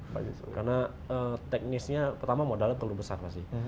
karena teknisnya pertama modalnya terlalu besar pasti